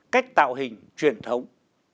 cách tạo hình truyền thống